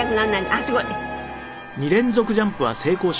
あっすごい。